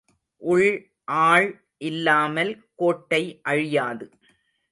உள் ஆள் இல்லாமல் கோட்டை அழியாது.